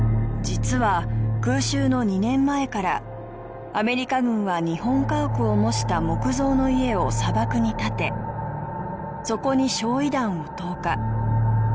実は空襲の２年前からアメリカ軍は日本家屋を模した木造の家を砂漠に建てそこに焼夷弾を投下。